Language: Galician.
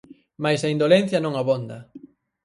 Mais a indolencia non abonda.